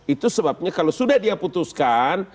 itu sebabnya kalau sudah dia putuskan